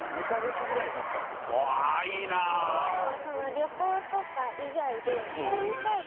旅行とか以外でしてみたいこと？